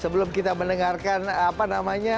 sebelum kita mendengarkan apa namanya